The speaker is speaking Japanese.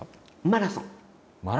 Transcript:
マラソン？